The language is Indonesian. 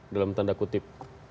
dalam tanda kutip